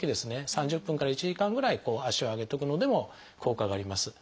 ３０分から１時間ぐらい足を上げておくのでも効果があります。